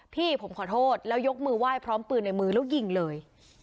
พี่ผมขอโทษแล้วยกมือไหว้พร้อมปืนในมือแล้วยิงเลย